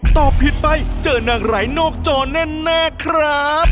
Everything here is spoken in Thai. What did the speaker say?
ตอบผิดไปเจอนางไหลนอกจอแน่ครับ